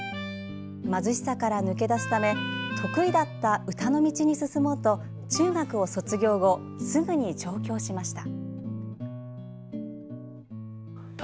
貧しさから抜け出すため得意だった歌の道に進もうと中学を卒業後すぐに上京しました。